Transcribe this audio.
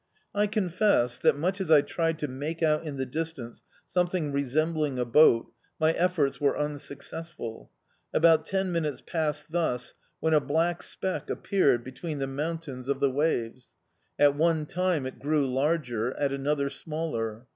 I confess that, much as I tried to make out in the distance something resembling a boat, my efforts were unsuccessful. About ten minutes passed thus, when a black speck appeared between the mountains of the waves! At one time it grew larger, at another smaller.